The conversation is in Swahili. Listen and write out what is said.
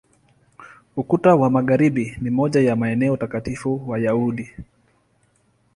Ukuta wa Magharibi ni moja ya maeneo takatifu Wayahudi.